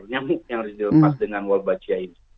nyamuk yang harus dilepas dengan walbachia ini